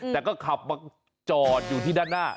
แต่ก็ขับมาจอดอยู่ที่ด้านหน้า